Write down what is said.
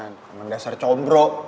memang dasar combro